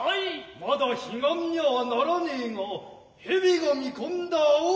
まだ彼岸にゃァならねえが蛇が見込んだ青蛙。